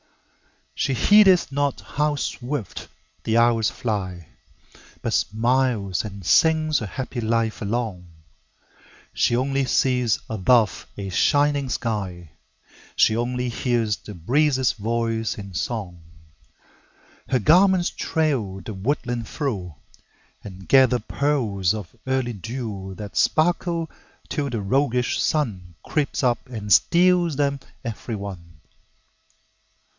She heedeth not how swift the hours fly, But smiles and sings her happy life along; She only sees above a shining sky; She only hears the breezes' voice in song. Her garments trail the woodland through, And gather pearls of early dew That sparkle till the roguish Sun Creeps up and steals them every one.